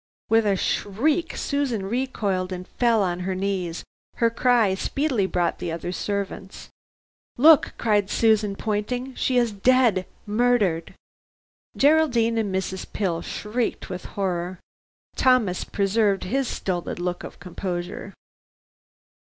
With a shriek Susan recoiled and fell on her knees. Her cry speedily brought the other servants. "Look!" cried Susan pointing, "she is dead murdered!" Geraldine and Mrs. Pill shrieked with horror. Thomas preserved his stolid look of composure.